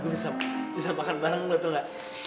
gue bisa makan bareng lu tau gak